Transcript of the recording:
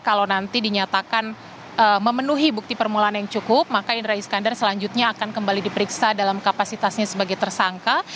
kalau nanti dinyatakan memenuhi bukti permulaan yang cukup maka indra iskandar selanjutnya akan kembali diperiksa dalam kapasitasnya sebagai tersangka